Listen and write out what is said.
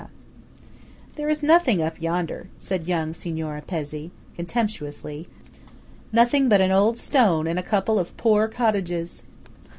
SASSO DI RONCH "There is nothing up yonder," said young Signora Pezzé, contemptuously; "nothing but an old stone and a couple of poor cottages!"